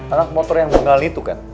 anak motor yang benggal itu kan